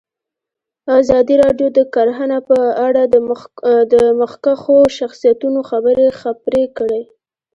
ازادي راډیو د کرهنه په اړه د مخکښو شخصیتونو خبرې خپرې کړي.